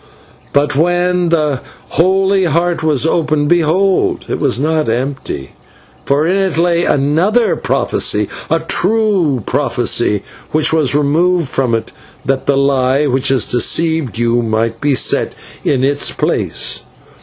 But when the holy Heart was opened, behold! it was not empty, for in it lay another prophecy a true prophecy which was removed from it, that the lie which has deceived you might be set in its place."